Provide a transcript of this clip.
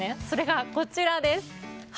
それが、こちらです。